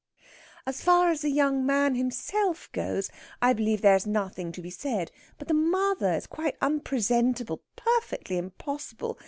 "As far as the young man himself goes, I believe there is nothing to be said. But the mother is quite unpresentable, perfectly impossible.